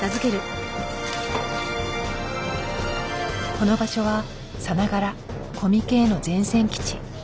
この場所はさながらコミケへの前線基地。